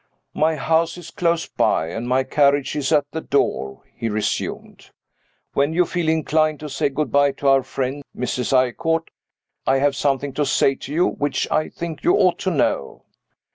"My house is close by, and my carriage is at the door," he resumed. "When you feel inclined to say good by to our friend Mrs. Eyrecourt, I have something to say to you which I think you ought to know."